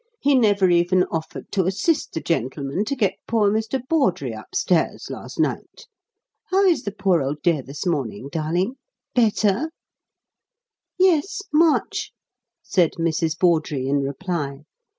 he never even offered to assist the gentlemen to get poor Mr. Bawdrey upstairs last night. How is the poor old dear this morning, darling? Better?" "Yes much," said Mrs. Bawdrey, in reply.